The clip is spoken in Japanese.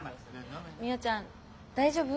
みよちゃん大丈夫？